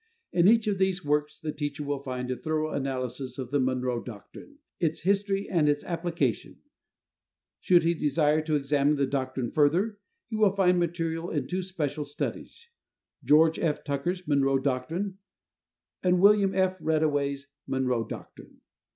In each of these works the teacher will find a thorough analysis of the Monroe Doctrine, its history and its application; should he desire to examine the Doctrine further, he will find material in two special studies: George F. Tucker's "Monroe Doctrine," and William F. Reddaway's "Monroe Doctrine."